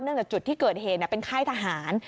เนื่องจากจุดที่เกิดเหตุเป็นไข้ทหาร